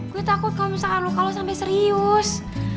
gue takut kalau misalkan lo kaluh sampe serius